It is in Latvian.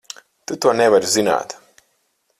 Tu to nevari zināt!